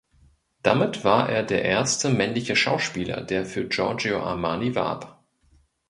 Damit war er der erste männliche Schauspieler, der für Giorgio Armani warb.